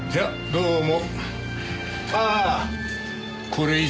どうも。